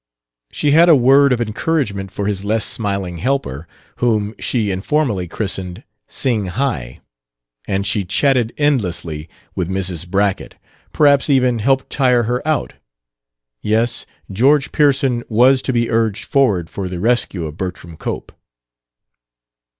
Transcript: She had a word of encouragement for his less smiling helper, whom she informally christened Sing Hi; and she chatted endlessly with Mrs. Brackett perhaps even helped tire her out. Yes, George Pearson was to be urged forward for the rescue of Bertram Cope.